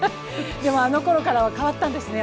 でも、あのころから変わったんですね。